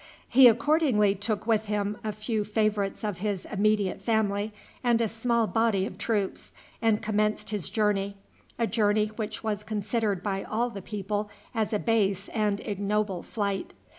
He accordingly took with him a few favorites of his immediate family and a small body of troops, and commenced his journey a journey which was considered by all the people as a base and ignoble flight.